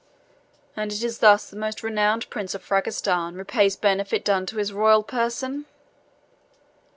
"And is it thus the most renowned Prince of Frangistan repays benefit done to his royal person?"